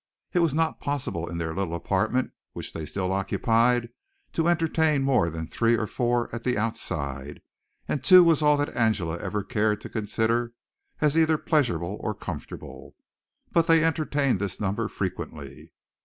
It was not possible in their little apartment which they still occupied to entertain more than three or four at the outside, and two was all that Angela ever cared to consider as either pleasurable or comfortable; but they entertained this number frequently.